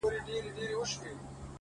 د حقیقت منل داخلي ازادي راولي!.